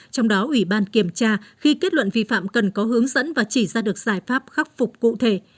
trong đó ủy ban kiểm tra khi kết luận vi phạm cần có hướng dẫn và chỉ ra được giải pháp khắc phục cụ thể